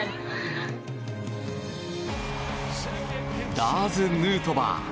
ラーズ・ヌートバー